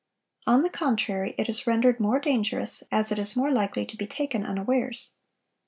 On the contrary, it is rendered more dangerous, as it is more likely to be taken unawares.